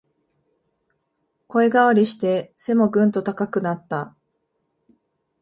声変わりして背もぐんと高くなった